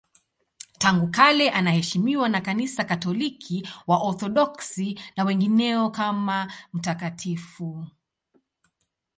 Tangu kale anaheshimiwa na Kanisa Katoliki, Waorthodoksi na wengineo kama mtakatifu.